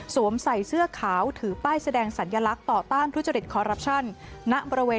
ใส่เสื้อขาวถือป้ายแสดงสัญลักษณ์ต่อต้านทุจริตคอรัปชั่นณบริเวณ